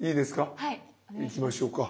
いきましょうか。